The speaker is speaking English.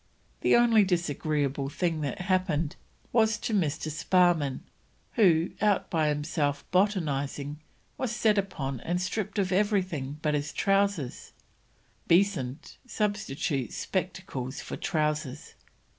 The only disagreeable thing that happened was to Mr. Sparrman, who, out by himself botanising, was set upon and stripped of everything but his trousers Besant substitutes spectacles for trousers.